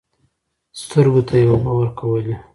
سترګو ته يې اوبه ورکولې .